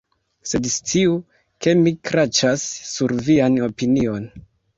Sed sciu, ke mi kraĉas sur vian opinion!